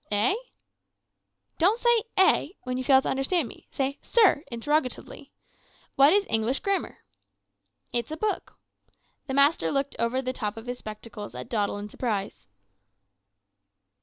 "`Eh?' "`Don't say "Eh!" When you fail to understand me, say "Sir?" interrogatively. What is English grammar?' "`It's a book.' "The master looked over the top of his spectacles at Doddle in surprise.